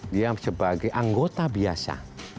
dia sebagai anggota biasa